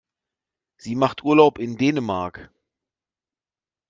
Sie macht Urlaub in Dänemark.